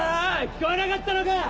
聞こえなかったのか？